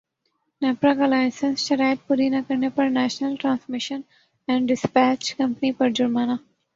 نیپرا کا لائسنس شرائط پوری نہ کرنے پر national transmission and dispatch company پر جرمانہ